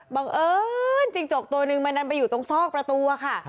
บังเอิญจิ้งจกตัวหนึ่งมันดันไปอยู่ตรงซอกประตูอะค่ะ